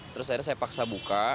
terus akhirnya saya paksa buka